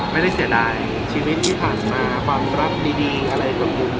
ไม่ได้เสียดายชีวิตที่ผ่านมาความรับดีดีอะไรก็คงครับ